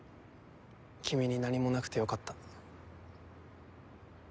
君に何もなくてよかった。